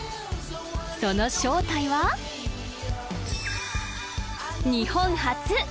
その正体は日本初！